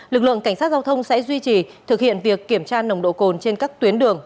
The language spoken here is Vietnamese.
lực lượng cảnh sát giao thông sẽ duy trì thực hiện việc kiểm tra nồng độ cồn trên các tuyến đường